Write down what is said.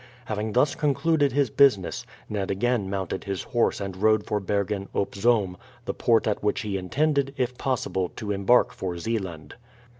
Having thus concluded his business, Ned again mounted his horse and rode for Bergen op Zoom, the port at which he intended, if possible, to embark for Zeeland.